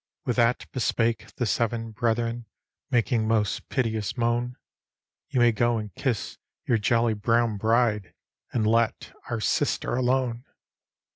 With that bespake the seven brethren. Making most piteous moan, " You may go and kiss your jolly brown bride, And let our sister alone!